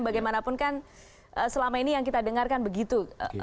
bagaimanapun kan selama ini yang kita dengarkan begitu